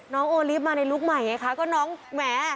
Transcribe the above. น้องโอลีฟมาในลุคใหม่ไงค่ะ